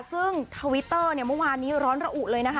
ซึ่งทวิตเตอร์เนี่ยเมื่อวานนี้ร้อนระอุเลยนะคะ